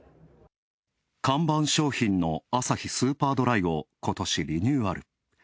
看板商品のアサヒスーパードライをことし、リニューアル。